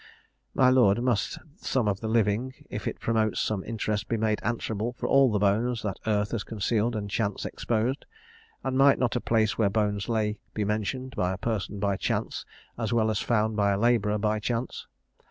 My lord, must some of the living, if it promotes some interest, be made answerable for all the bones that earth has concealed and chance exposed? and might not a place where bones lay be mentioned by a person by chance as well as found by a labourer by chance?